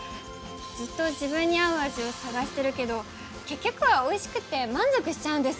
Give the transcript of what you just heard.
ずっと自分に合う味を探してるけど結局はおいしくて満足しちゃうんです。